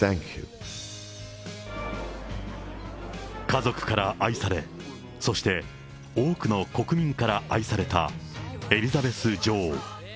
家族から愛され、そして多くの国民から愛されたエリザベス女王。